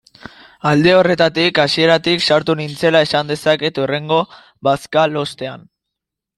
Alde horretatik, hasieratik sartu nintzela esan dezaket hurrengo bazkalostean.